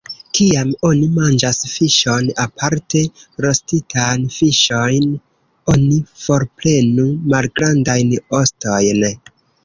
Kiam oni manĝas fiŝon, aparte rostitan fiŝon, oni forprenu malgrandajn ostojn.